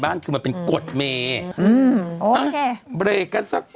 หมายถึงว่าของหวานต่างนี่ไม่ต้องพูดถึงเลยนะคะ